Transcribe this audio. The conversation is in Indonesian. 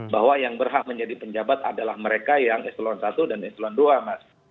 bahwa yang berhak menjadi penjabat adalah mereka yang eselon satu dan eselon dua mas